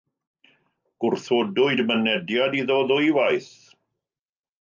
Gwrthodwyd mynediad iddo ddwywaith.